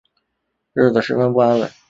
日子十分不安稳